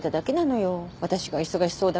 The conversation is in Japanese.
私が忙しそうだからって。